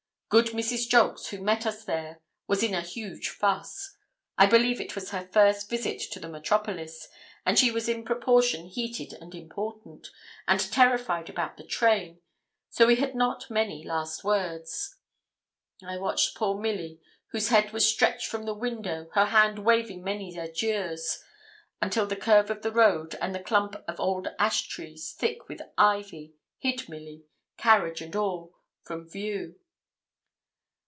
Good Mrs. Jolks, who met us there, was in a huge fuss; I believe it was her first visit to the metropolis, and she was in proportion heated and important, and terrified about the train, so we had not many last words. I watched poor Milly, whose head was stretched from the window, her hand waving many adieux, until the curve of the road, and the clump of old ash trees, thick with ivy, hid Milly, carriage and all, from view.